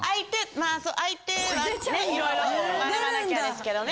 相手はねいろいろ学ばなきゃですけどね。